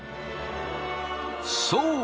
そう！